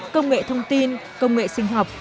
công nghệ thông tin công nghệ sinh học